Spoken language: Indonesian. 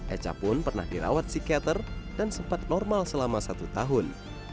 echa pun pernah dirawat psikiater dan sempat normal selama satu tahun